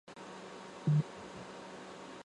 隶属于青二制作。